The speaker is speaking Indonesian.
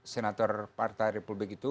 senator partai republik itu